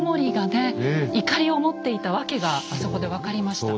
いかりを持っていた訳があそこで分かりました。